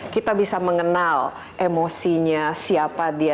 kita bisa mengenal emosinya siapa dia